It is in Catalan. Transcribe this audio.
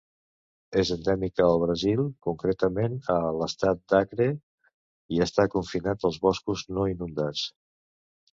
És endèmica al Brasil, concretament a l'Estat d'Acre i està confinat als boscos no inundats.